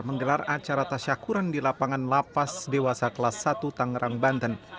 menggelar acara tasyakuran di lapangan lapas dewasa kelas satu tangerang banten